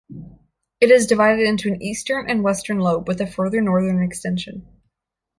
It is divided into an eastern and western lobe, with a further northern extension.